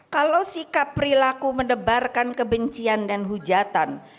kalau sikap perilaku mendebarkan kebencian dan hujatan